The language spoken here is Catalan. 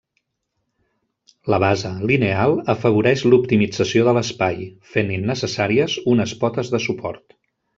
La base lineal afavoreix l'optimització de l'espai, fent innecessàries unes potes de suport.